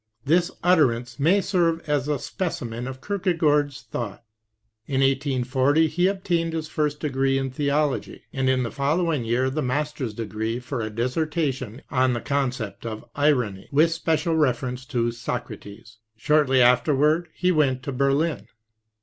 This utter ance may serve as a specimen of Kierkegaard's thought. In 1840 he obtained his first degree in theology, and in the following year the master's degree for a dissertation on the conception of irony, with special reference to Socrates. Shortly after ward, he went to Berlin.